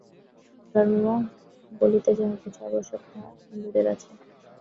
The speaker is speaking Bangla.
ধর্ম বলিতে যাহা কিছু আবশ্যক, তাহা হিন্দুদের আছে।